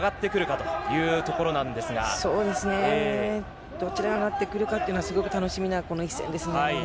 そうですねぇ、どちらが上がってくるかっていうのはすごく楽しみなこの一戦ですね。